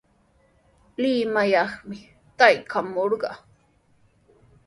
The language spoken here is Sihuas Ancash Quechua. Limayaqmi traykamurqaa.